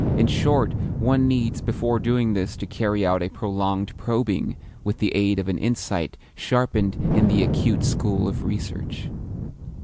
In short, one needs, before doing this, to carry out a prolonged probing with the aid of an insight sharpened in the acute school of research.